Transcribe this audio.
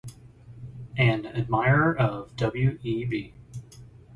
An admirer of W. E. B.